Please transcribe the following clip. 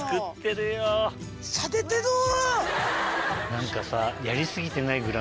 何かさ。